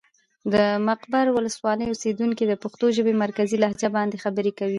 د مقر ولسوالي اوسېدونکي د پښتو ژبې مرکزي لهجه باندې خبرې کوي.